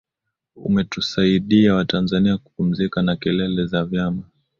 umetusaidia Watanzania kupumzika na kelele za vyama